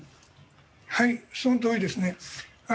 そのとおりです。